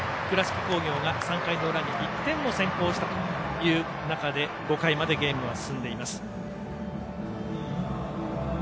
倉敷工業が３回の裏に１点を先行したという中で５回までゲームが進んでいます。